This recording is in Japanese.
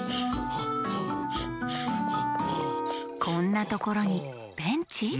こんなところにベンチ？